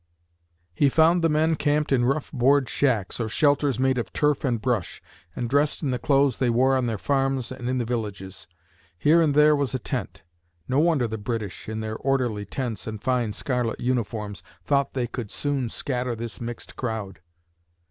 He found the men camped in rough board shacks, or shelters made of turf and brush, and dressed in the clothes they wore on their farms and in the villages. Here and there was a tent. No wonder the British, in their orderly tents and fine scarlet uniforms, thought they could soon scatter this mixed crowd!